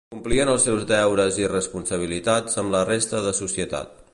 Complien els seus deures i responsabilitats amb la resta de societat.